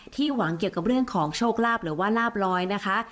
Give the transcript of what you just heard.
หวังเกี่ยวกับเรื่องของโชคลาภหรือว่าลาบลอยนะคะ